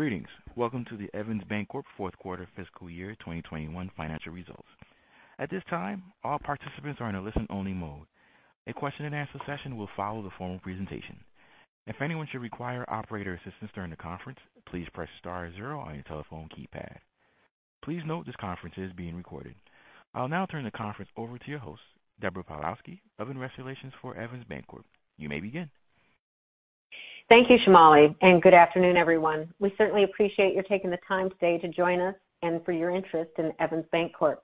Greetings. Welcome to the Evans Bancorp fourth quarter fiscal year 2021 financial results. At this time, all participants are in a listen-only mode. A question-and-answer session will follow the formal presentation. If anyone should require operator assistance during the conference, please press star zero on your telephone keypad. Please note this conference is being recorded. I'll now turn the conference over to your host, Deborah Pawlowski, investor relations for Evans Bancorp. You may begin. Thank you, Shamali, and good afternoon, everyone. We certainly appreciate your taking the time today to join us and for your interest in Evans Bancorp.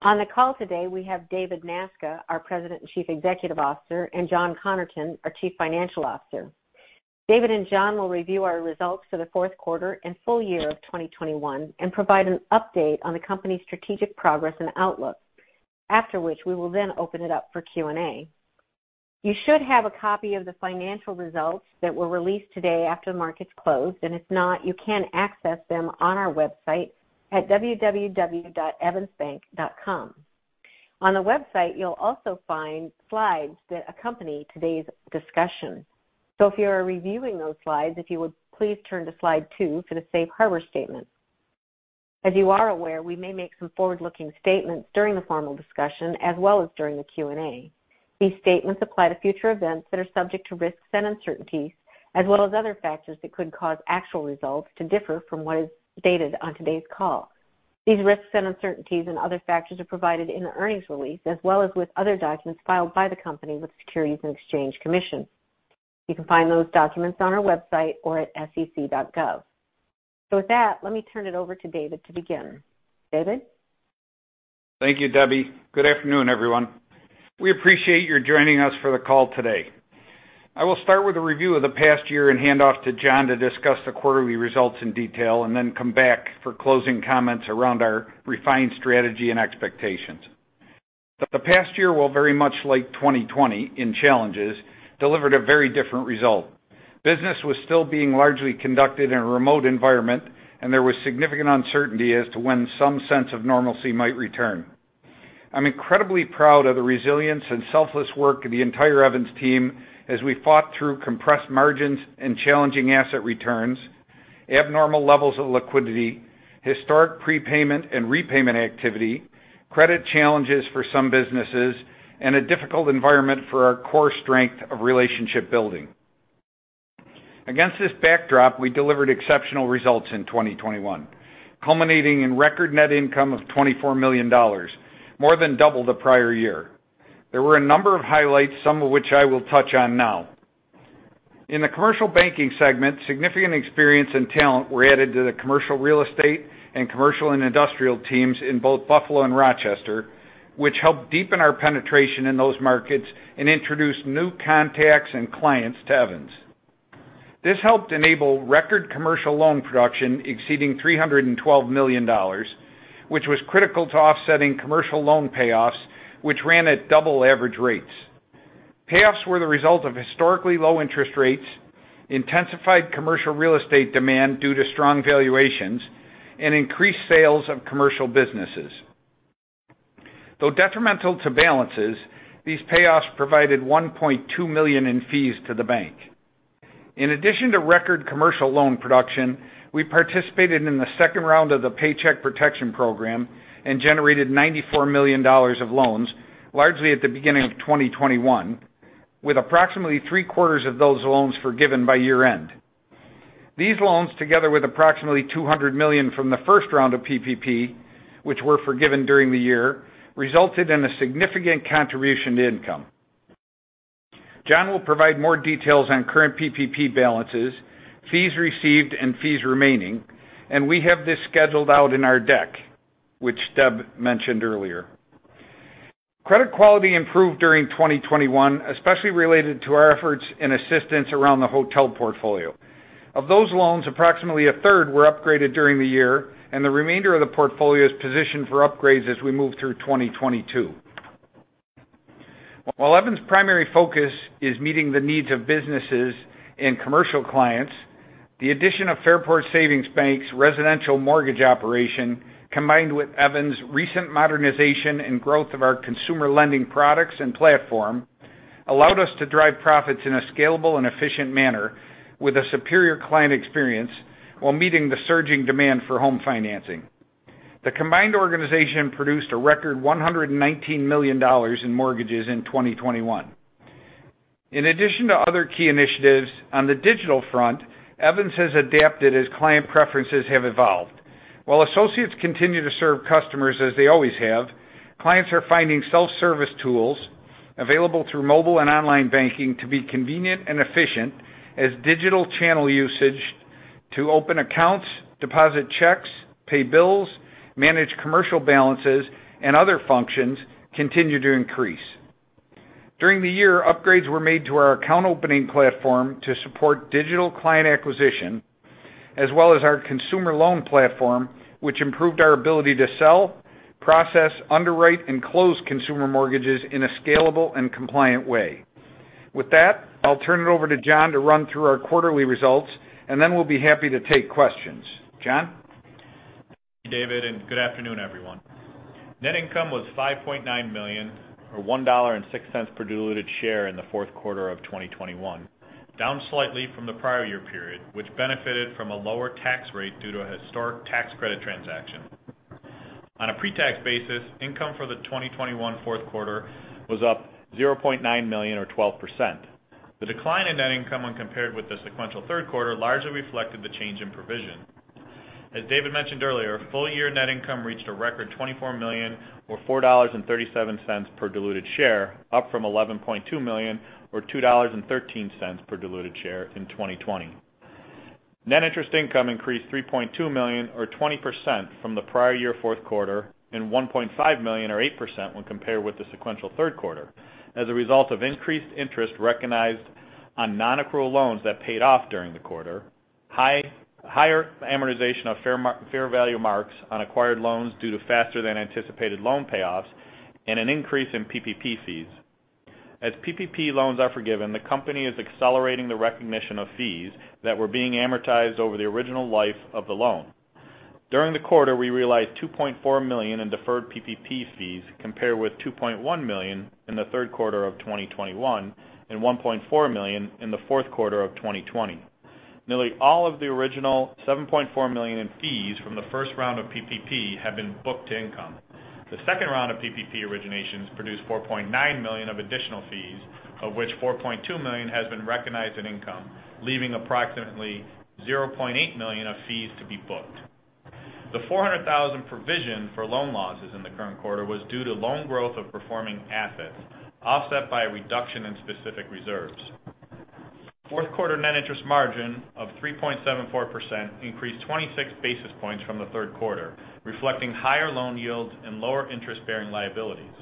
On the call today, we have David Nasca, our President and Chief Executive Officer, and John Connerton, our Chief Financial Officer. David and John will review our results for the fourth quarter and full year of 2021 and provide an update on the company's strategic progress and outlook. After which, we will then open it up for Q&A. You should have a copy of the financial results that were released today after the markets closed. If not, you can access them on our website at www.evansbank.com. On the website, you'll also find slides that accompany today's discussion. If you are reviewing those slides, if you would please turn to slide two for the safe harbor statement. As you are aware, we may make some forward-looking statements during the formal discussion as well as during the Q&A. These statements apply to future events that are subject to risks and uncertainties as well as other factors that could cause actual results to differ from what is stated on today's call. These risks and uncertainties and other factors are provided in the earnings release as well as with other documents filed by the company with Securities and Exchange Commission. You can find those documents on our website or at sec.gov. With that, let me turn it over to David to begin. David? Thank you, Debbie. Good afternoon, everyone. We appreciate your joining us for the call today. I will start with a review of the past year and hand off to John to discuss the quarterly results in detail and then come back for closing comments around our refined strategy and expectations. The past year, while very much like 2020 in challenges, delivered a very different result. Business was still being largely conducted in a remote environment, and there was significant uncertainty as to when some sense of normalcy might return. I'm incredibly proud of the resilience and selfless work of the entire Evans team as we fought through compressed margins and challenging asset returns, abnormal levels of liquidity, historic prepayment and repayment activity, credit challenges for some businesses, and a difficult environment for our core strength of relationship building. Against this backdrop, we delivered exceptional results in 2021, culminating in record net income of $24 million, more than double the prior year. There were a number of highlights, some of which I will touch on now. In the commercial banking segment, significant experience and talent were added to the commercial real estate and commercial and industrial teams in both Buffalo and Rochester, which helped deepen our penetration in those markets and introduce new contacts and clients to Evans. This helped enable record commercial loan production exceeding $312 million, which was critical to offsetting commercial loan payoffs, which ran at double average rates. Payoffs were the result of historically low interest rates, intensified commercial real estate demand due to strong valuations, and increased sales of commercial businesses. Though detrimental to balances, these payoffs provided $1.2 million in fees to the bank. In addition to record commercial loan production, we participated in the second round of the Paycheck Protection Program and generated $94 million of loans, largely at the beginning of 2021, with approximately three-quarters of those loans forgiven by year-end. These loans, together with approximately $200 million from the first round of PPP, which were forgiven during the year, resulted in a significant contribution to income. John will provide more details on current PPP balances, fees received, and fees remaining, and we have this scheduled out in our deck, which Deb mentioned earlier. Credit quality improved during 2021, especially related to our efforts and assistance around the hotel portfolio. Of those loans, approximately a third were upgraded during the year and the remainder of the portfolio is positioned for upgrades as we move through 2022. While Evans' primary focus is meeting the needs of businesses and commercial clients, the addition of Fairport Savings Bank's residential mortgage operation, combined with Evans' recent modernization and growth of our consumer lending products and platform, allowed us to drive profits in a scalable and efficient manner with a superior client experience while meeting the surging demand for home financing. The combined organization produced a record $119 million in mortgages in 2021. In addition to other key initiatives on the digital front, Evans has adapted as client preferences have evolved. While associates continue to serve customers as they always have, clients are finding self-service tools available through mobile and online banking to be convenient and efficient as digital channel usage to open accounts, deposit checks, pay bills, manage commercial balances, and other functions continue to increase. During the year, upgrades were made to our account opening platform to support digital client acquisition, as well as our consumer loan platform, which improved our ability to sell, process, underwrite, and close consumer mortgages in a scalable and compliant way. With that, I'll turn it over to John to run through our quarterly results, and then we'll be happy to take questions. John? David, good afternoon, everyone. Net income was $5.9 million or $1.06 per diluted share in the fourth quarter of 2021, down slightly from the prior year period, which benefited from a lower tax rate due to a historic tax credit transaction. On a pre-tax basis, income for the 2021 fourth quarter was up $0.9 million or 12%. The decline in net income when compared with the sequential third quarter largely reflected the change in provision. As David mentioned earlier, full year net income reached a record $24 million or $4.37 per diluted share, up from $11.2 million or $2.13 per diluted share in 2020. Net interest income increased $3.2 million or 20% from the prior year fourth quarter and $1.5 million or 8% when compared with the sequential third quarter as a result of increased interest recognized on non-accrual loans that paid off during the quarter, higher amortization of fair value marks on acquired loans due to faster than anticipated loan payoffs and an increase in PPP fees. As PPP loans are forgiven, the company is accelerating the recognition of fees that were being amortized over the original life of the loan. During the quarter, we realized $2.4 million in deferred PPP fees, compared with $2.1 million in the third quarter of 2021 and $1.4 million in the fourth quarter of 2020. Nearly all of the original $7.4 million in fees from the first round of PPP have been booked to income. The second round of PPP originations produced $4.9 million of additional fees, of which $4.2 million has been recognized in income, leaving approximately $0.8 million of fees to be booked. The $400,000 provision for loan losses in the current quarter was due to loan growth of performing assets offset by a reduction in specific reserves. Fourth quarter net interest margin of 3.74% increased 26 basis points from the third quarter, reflecting higher loan yields and lower interest-bearing liabilities.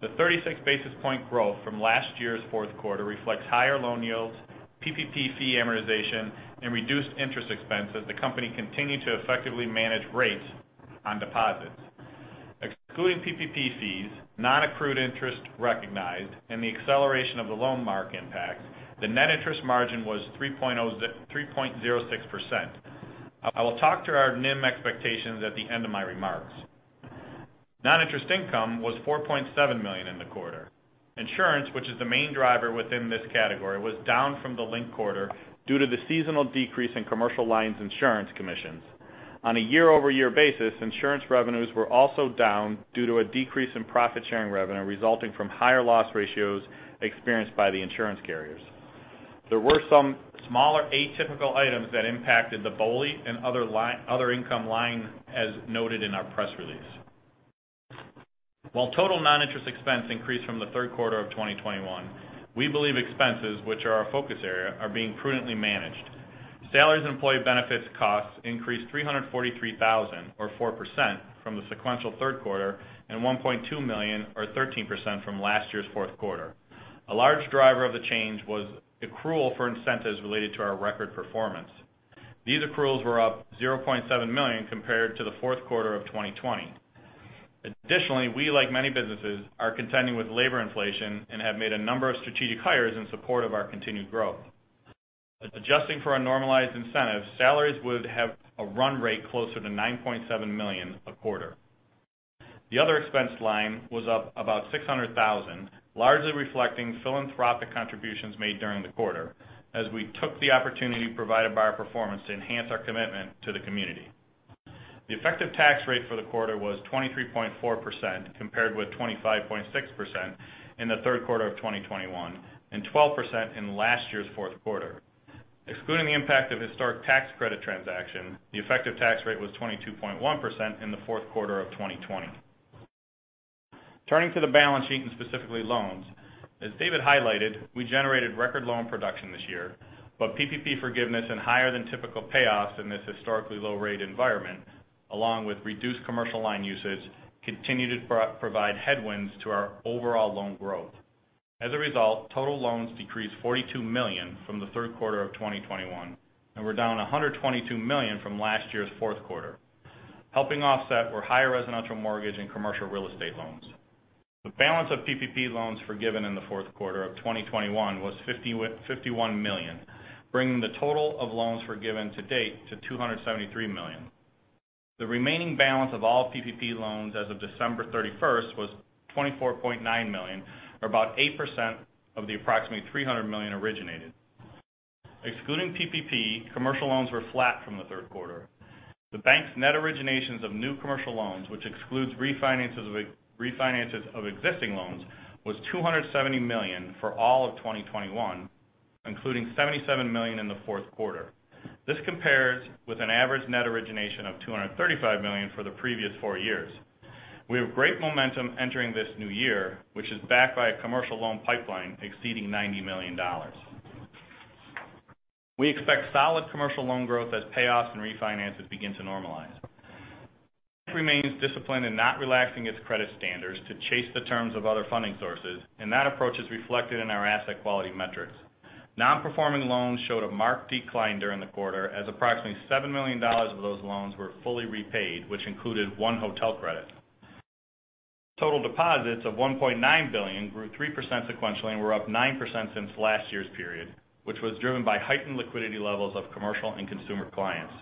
The 36 basis point growth from last year's fourth quarter reflects higher loan yields, PPP fee amortization, and reduced interest expense as the company continued to effectively manage rates on deposits. Excluding PPP fees, non-accrued interest recognized, and the acceleration of the loan mark impact, the net interest margin was 3.06%. I will talk to our NIM expectations at the end of my remarks. Non-interest income was $4.7 million in the quarter. Insurance, which is the main driver within this category, was down from the linked quarter due to the seasonal decrease in commercial lines insurance commissions. On a year-over-year basis, insurance revenues were also down due to a decrease in profit-sharing revenue resulting from higher loss ratios experienced by the insurance carriers. There were some smaller atypical items that impacted the BOLI and other income line, as noted in our press release. While total non-interest expense increased from the third quarter of 2021, we believe expenses, which are our focus area, are being prudently managed. Salaries and employee benefits costs increased $343,000 or 4% from the sequential third quarter and $1.2 million or 13% from last year's fourth quarter. A large driver of the change was accrual for incentives related to our record performance. These accruals were up $0.7 million compared to the fourth quarter of 2020. Additionally, we, like many businesses, are contending with labor inflation and have made a number of strategic hires in support of our continued growth. Adjusting for our normalized incentives, salaries would have a run rate closer to $9.7 million a quarter. The other expense line was up about $600,000, largely reflecting philanthropic contributions made during the quarter as we took the opportunity provided by our performance to enhance our commitment to the community. The effective tax rate for the quarter was 23.4%, compared with 25.6% in the third quarter of 2021 and 12% in last year's fourth quarter. Excluding the impact of historic tax credit transaction, the effective tax rate was 22.1% in the fourth quarter of 2020. Turning to the balance sheet and specifically loans. As David highlighted, we generated record loan production this year, but PPP forgiveness and higher than typical payoffs in this historically low rate environment, along with reduced commercial line usage, continued to provide headwinds to our overall loan growth. As a result, total loans decreased $42 million from the third quarter of 2021 and were down $122 million from last year's fourth quarter. Helping offset were higher residential mortgage and commercial real estate loans. The balance of PPP loans forgiven in the fourth quarter of 2021 was $51 million, bringing the total of loans forgiven to date to $273 million. The remaining balance of all PPP loans as of December 31st was $24.9 million, or about 8% of the approximately $300 million originated. Excluding PPP, commercial loans were flat from the third quarter. The bank's net originations of new commercial loans, which excludes refinances of existing loans, was $270 million for all of 2021, including $77 million in the fourth quarter. This compares with an average net origination of $235 million for the previous four years. We have great momentum entering this new year, which is backed by a commercial loan pipeline exceeding $90 million. We expect solid commercial loan growth as payoffs and refinances begin to normalize. The bank remains disciplined in not relaxing its credit standards to chase the terms of other funding sources, and that approach is reflected in our asset quality metrics. Non-Performing Loans showed a marked decline during the quarter as approximately $7 million of those loans were fully repaid, which included one hotel credit. Total deposits of $1.9 billion grew 3% sequentially and were up 9% since last year's period, which was driven by heightened liquidity levels of commercial and consumer clients.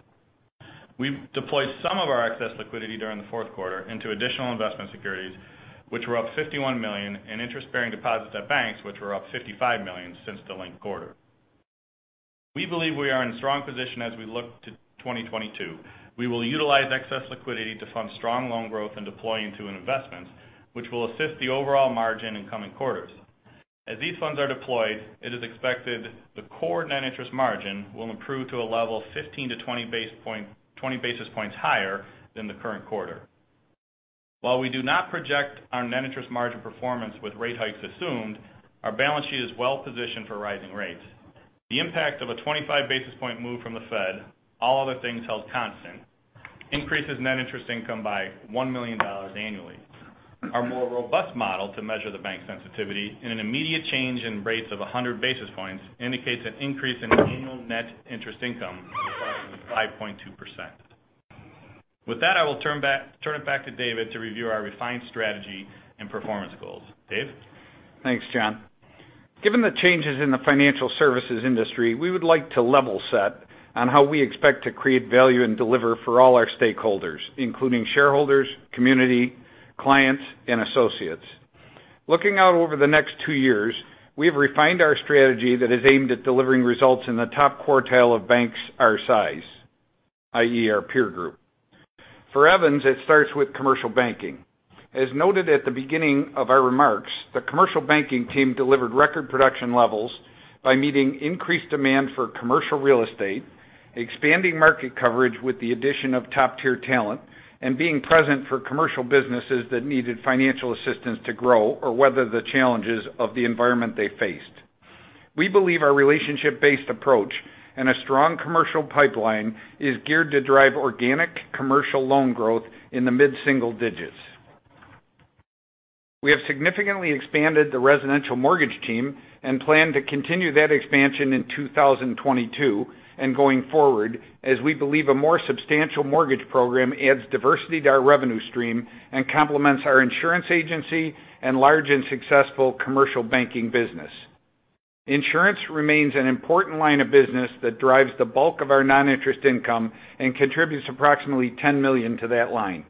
We deployed some of our excess liquidity during the fourth quarter into additional investment securities, which were up $51 million in interest-bearing deposits at banks, which were up $55 million since the linked quarter. We believe we are in a strong position as we look to 2022. We will utilize excess liquidity to fund strong loan growth and deploy into investments which will assist the overall margin in coming quarters. As these funds are deployed, it is expected the core Net Interest Margin will improve to a level 15-20 basis points higher than the current quarter. While we do not project our Net Interest Margin performance with rate hikes assumed, our balance sheet is well positioned for rising rates. The impact of a 25 basis point move from the Fed, all other things held constant, increases net interest income by $1 million annually. Our more robust model to measure the bank sensitivity in an immediate change in rates of 100 basis points indicates an increase in annual net interest income of 5.2%. With that, I will turn it back to David to review our refined strategy and performance goals. Dave? Thanks, John. Given the changes in the financial services industry, we would like to level set on how we expect to create value and deliver for all our stakeholders, including shareholders, community, clients, and associates. Looking out over the next two years, we have refined our strategy that is aimed at delivering results in the top quartile of banks our size, i.e., our peer group. For Evans, it starts with commercial banking. As noted at the beginning of our remarks, the commercial banking team delivered record production levels by meeting increased demand for commercial real estate, expanding market coverage with the addition of top-tier talent, and being present for commercial businesses that needed financial assistance to grow or weather the challenges of the environment they faced. We believe our relationship-based approach and a strong commercial pipeline is geared to drive organic commercial loan growth in the mid-single digits. We have significantly expanded the residential mortgage team and plan to continue that expansion in 2022 and going forward, as we believe a more substantial mortgage program adds diversity to our revenue stream and complements our insurance agency and large and successful commercial banking business. Insurance remains an important line of business that drives the bulk of our non-interest income and contributes approximately $10 million to that line.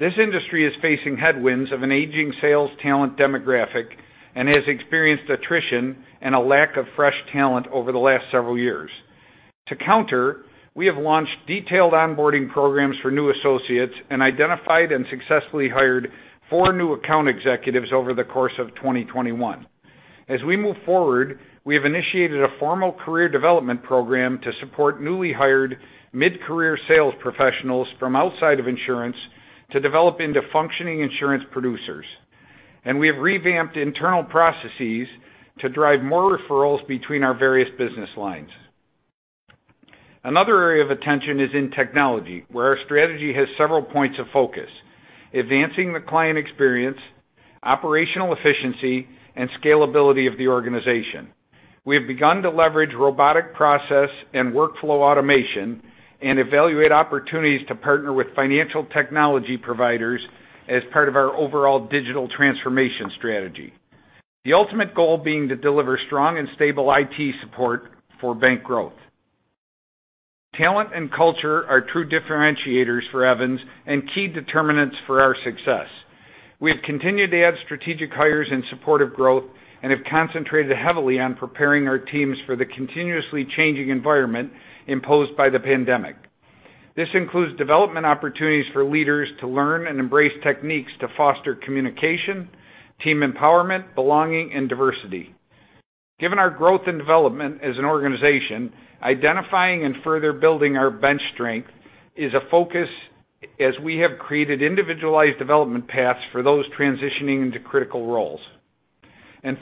This industry is facing headwinds of an aging sales talent demographic and has experienced attrition and a lack of fresh talent over the last several years. To counter, we have launched detailed onboarding programs for new associates and identified and successfully hired four new account executives over the course of 2021. As we move forward, we have initiated a formal career development program to support newly hired mid-career sales professionals from outside of insurance to develop into functioning insurance producers. We have revamped internal processes to drive more referrals between our various business lines. Another area of attention is in technology, where our strategy has several points of focus, advancing the client experience, operational efficiency, and scalability of the organization. We have begun to leverage robotic process and workflow automation and evaluate opportunities to partner with financial technology providers as part of our overall digital transformation strategy, the ultimate goal being to deliver strong and stable IT support for bank growth. Talent and culture are true differentiators for Evans and key determinants for our success. We have continued to add strategic hires in support of growth and have concentrated heavily on preparing our teams for the continuously changing environment imposed by the pandemic. This includes development opportunities for leaders to learn and embrace techniques to foster communication, team empowerment, belonging, and diversity. Given our growth and development as an organization, identifying and further building our bench strength is a focus as we have created individualized development paths for those transitioning into critical roles.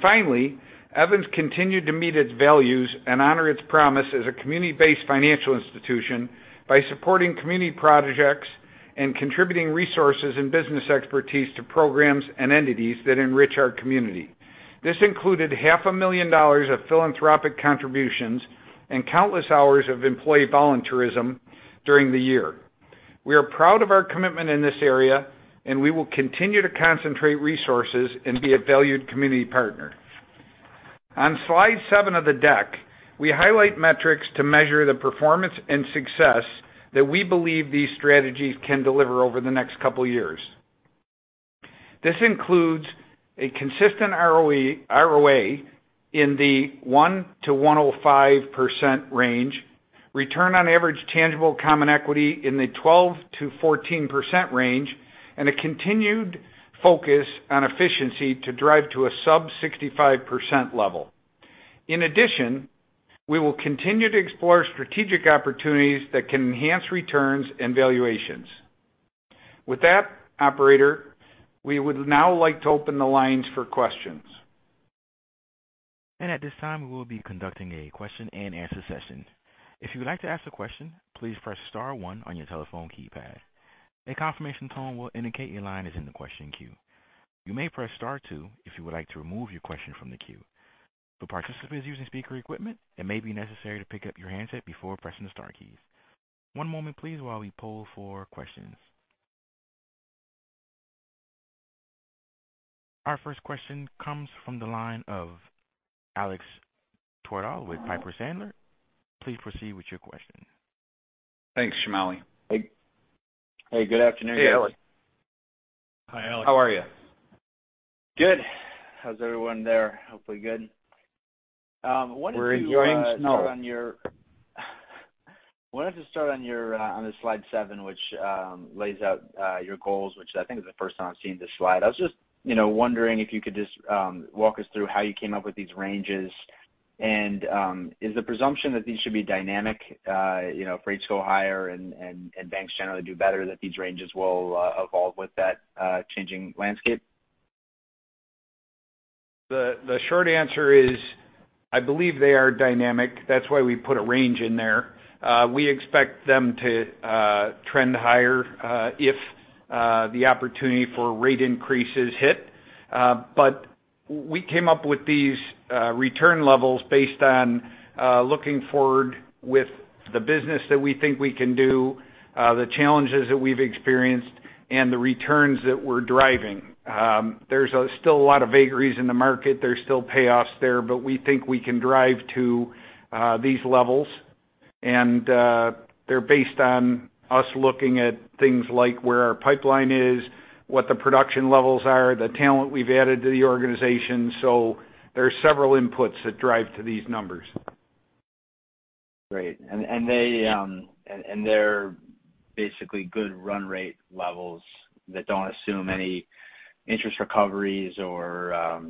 Finally, Evans continued to meet its values and honor its promise as a community-based financial institution by supporting community projects and contributing resources and business expertise to programs and entities that enrich our community. This included half a million dollars of philanthropic contributions and countless hours of employee volunteerism during the year. We are proud of our commitment in this area, and we will continue to concentrate resources and be a valued community partner. On slide seven of the deck, we highlight metrics to measure the performance and success that we believe these strategies can deliver over the next couple of years. This includes a consistent ROE, ROA in the 1%-1.05% range, return on average tangible common equity in the 12%-14% range, and a continued focus on efficiency to drive to a sub 65% level. In addition, we will continue to explore strategic opportunities that can enhance returns and valuations. With that, operator, we would now like to open the lines for questions. At this time, we will be conducting a question and answer session. If you would like to ask a question, please press star one on your telephone keypad. A confirmation tone will indicate your line is in the question queue. You may press star two if you would like to remove your question from the queue. For participants using speaker equipment, it may be necessary to pick up your handset before pressing the star keys. One moment please, while we poll for questions. Our first question comes from the line of Alex Twerdahl with Piper Sandler. Please proceed with your question. Thanks, Shamali. Hey, good afternoon. Hey, Alex. Hi, Alex. How are you? Good. How's everyone there? Hopefully good. Wanted to- We're enjoying snow. I wanted to start with your slide seven, which lays out your goals, which I think is the first time I've seen this slide. I was just, you know, wondering if you could just walk us through how you came up with these ranges. Is the presumption that these should be dynamic, you know, if rates go higher and banks generally do better, that these ranges will evolve with that changing landscape? Short answer is, I believe they are dynamic. That's why we put a range in there. We expect them to trend higher if the opportunity for rate increases hit. But we came up with these return levels based on looking forward with the business that we think we can do, the challenges that we've experienced and the returns that we're driving. There's still a lot of vagaries in the market. There's still payoffs there, but we think we can drive to these levels. They're based on us looking at things like where our pipeline is, what the production levels are, the talent we've added to the organization. There are several inputs that drive to these numbers. Great. They're basically good run rate levels that don't assume any interest recoveries or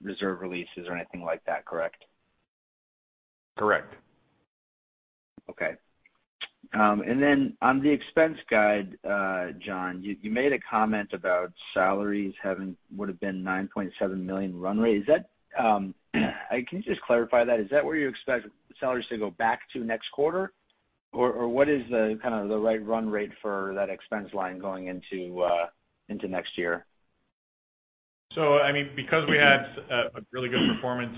reserve releases or anything like that, correct? Correct. Okay. On the expense guide, John, you made a comment about salaries would have been $9.7 million run rate. Is that, can you just clarify that? Is that where you expect salaries to go back to next quarter? Or what is kind of the right run rate for that expense line going into next year? I mean, because we had a really good performance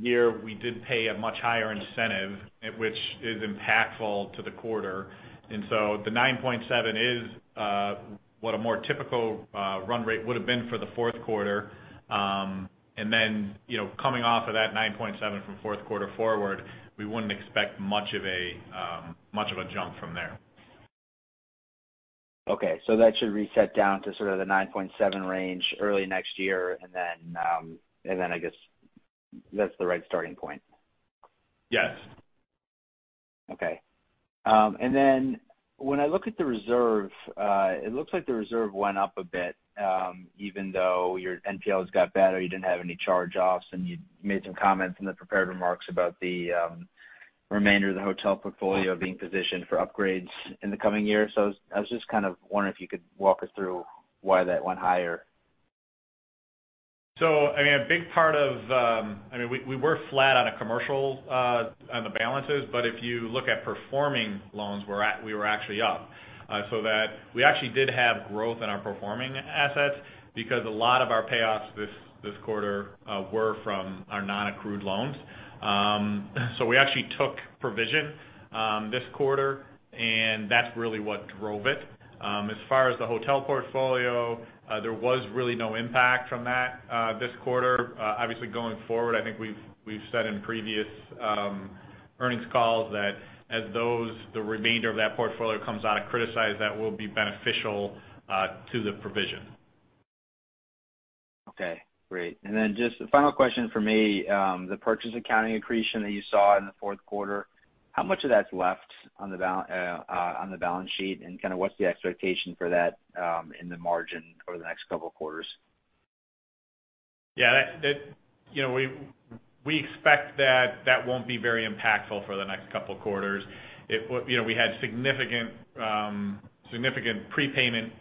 year, we did pay a much higher incentive, which is impactful to the quarter. The 9.7% is what a more typical run rate would have been for the fourth quarter. Then, you know, coming off of that 9.7% from fourth quarter forward, we wouldn't expect much of a jump from there. That should reset down to sort of the 9.7% range early next year, and then I guess that's the right starting point. Yes. Okay. Then when I look at the reserve, it looks like the reserve went up a bit, even though your NPLs got better, you didn't have any charge-offs, and you made some comments in the prepared remarks about the remainder of the hotel portfolio being positioned for upgrades in the coming year. I was just kind of wondering if you could walk us through why that went higher. A big part of we were flat on a commercial on the balances, but if you look at performing loans, we were actually up, that we actually did have growth in our performing assets because a lot of our payoffs this quarter were from our nonaccrual loans. We actually took provision this quarter, and that's really what drove it. As far as the hotel portfolio, there was really no impact from that this quarter. Obviously going forward, I think we've said in previous earnings calls that as the remainder of that portfolio comes out of criticized, that will be beneficial to the provision. Okay, great. Just a final question from me. The purchase accounting accretion that you saw in the fourth quarter, how much of that's left on the balance sheet? And kinda what's the expectation for that, in the margin over the next couple of quarters? Yeah, that you know we expect that won't be very impactful for the next couple of quarters. You know, we had significant prepayment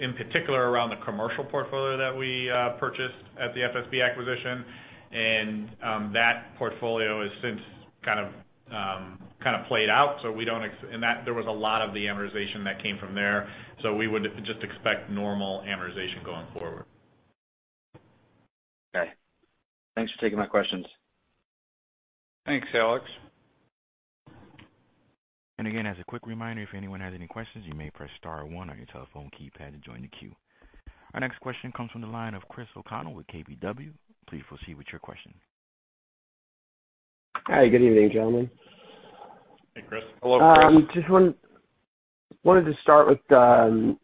in particular around the commercial portfolio that we purchased at the FSB acquisition. That portfolio has since kind of played out, and that there was a lot of the amortization that came from there. We would just expect normal amortization going forward. Okay. Thanks for taking my questions. Thanks, Alex. Again, as a quick reminder, if anyone has any questions, you may press star one on your telephone keypad to join the queue. Our next question comes from the line of Chris O'Connell with KBW. Please proceed with your question. Hi, good evening, gentlemen. Hey, Chris. Hello, Chris. Just wanted to start with,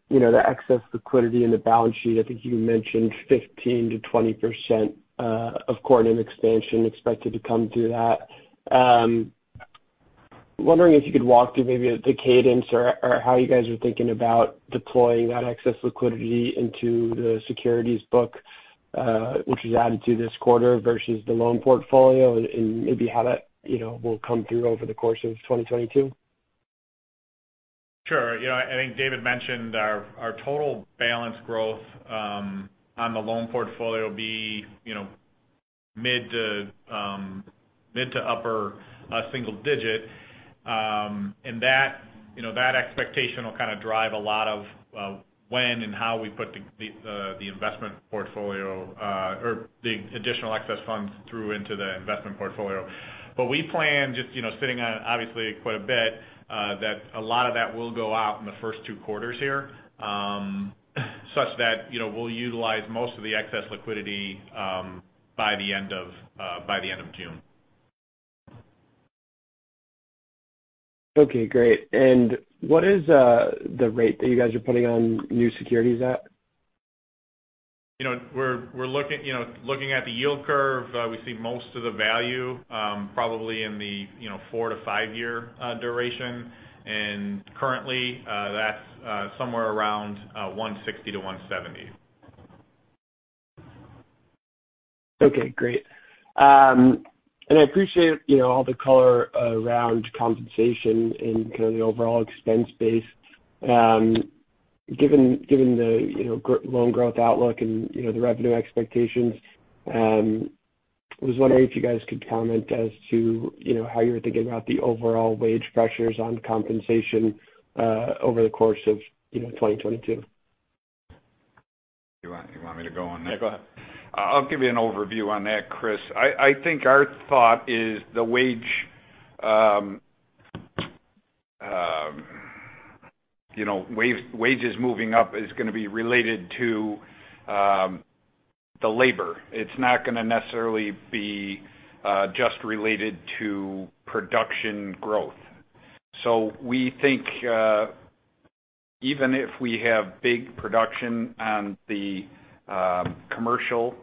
you know, the excess liquidity in the balance sheet. I think you mentioned 15%-20% of core NIM expansion expected to come through that. Wondering if you could walk through maybe the cadence or how you guys are thinking about deploying that excess liquidity into the securities book, which was added to this quarter versus the loan portfolio, and maybe how that, you know, will come through over the course of 2022. Sure. You know, I think David mentioned our total balance growth on the loan portfolio, you know, mid- to upper-single-digit. You know, that expectation will kind of drive a lot of when and how we put the investment portfolio or the additional excess funds through into the investment portfolio. We plan just, you know, sitting on obviously quite a bit, that a lot of that will go out in the first two quarters here. Such that, you know, we'll utilize most of the excess liquidity by the end of June. Okay, great. What is the rate that you guys are putting on new securities at? You know, we're looking at the yield curve. We see most of the value probably in the you know four- to five-year duration. Currently, that's somewhere around 1.60%-1.70%. Okay, great. I appreciate, you know, all the color around compensation and kind of the overall expense base. Given the, you know, loan growth outlook and, you know, the revenue expectations, I was wondering if you guys could comment as to, you know, how you're thinking about the overall wage pressures on compensation over the course of, you know, 2022. You want me to go on that? Yeah, go ahead. I'll give you an overview on that, Chris. I think our thought is the wages moving up is gonna be related to the labor. It's not gonna necessarily be just related to production growth. We think even if we have big production on the commercial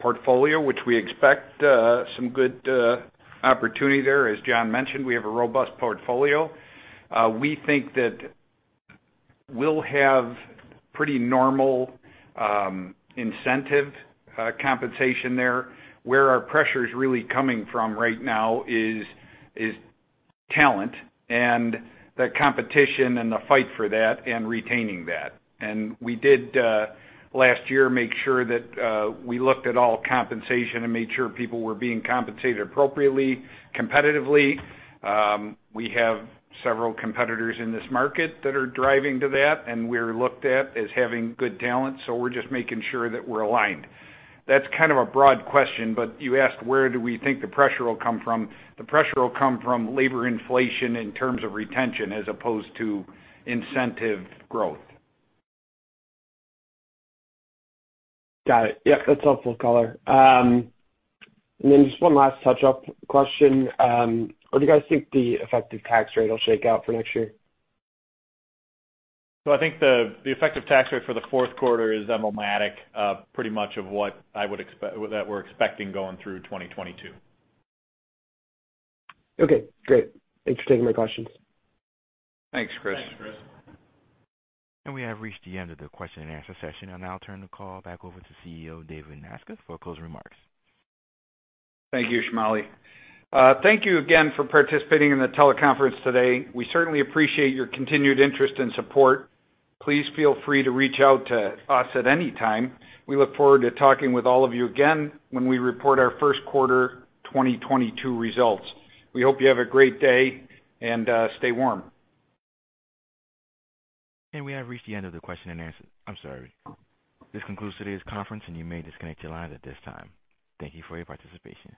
portfolio, which we expect, some good opportunity there. As John mentioned, we have a robust portfolio. We think that we'll have pretty normal incentive compensation there. Where our pressure is really coming from right now is talent and the competition and the fight for that and retaining that. We did last year make sure that we looked at all compensation and made sure people were being compensated appropriately, competitively. We have several competitors in this market that are driving to that, and we're looked at as having good talent, so we're just making sure that we're aligned. That's kind of a broad question, but you asked, where do we think the pressure will come from? The pressure will come from labor inflation in terms of retention as opposed to incentive growth. Got it. Yeah, that's helpful color. Just one last touch-up question. What do you guys think the effective tax rate will shake out for next year? I think the effective tax rate for the fourth quarter is emblematic of pretty much of what I would expect that we're expecting going through 2022. Okay, great. Thanks for taking my questions. Thanks, Chris. We have reached the end of the question-and-answer session. I'll now turn the call back over to CEO David Nasca for closing remarks. Thank you, Shamali. Thank you again for participating in the teleconference today. We certainly appreciate your continued interest and support. Please feel free to reach out to us at any time. We look forward to talking with all of you again when we report our first quarter 2022 results. We hope you have a great day, and stay warm. This concludes today's conference, and you may disconnect your lines at this time. Thank you for your participation.